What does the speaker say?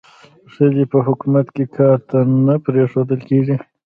ښځې په حکومت کې کار ته نه پریښودل کېږي.